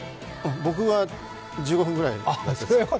僕は１５分ぐらいだったです。